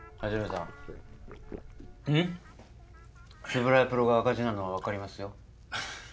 円谷プロが赤字なのは分かりますよ。